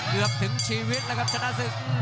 เกือบถึงชีวิตแล้วครับชนะศึก